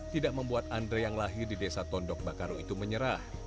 tidak membuat andre yang lahir di desa tondok bakaru itu menyerah